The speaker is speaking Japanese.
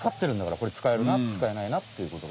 これ使えるな使えないなっていうことが。